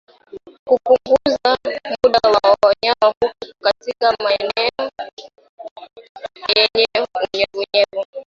Punguza muda wa wanyama kuwa katika maeneo yenye unyevunyevu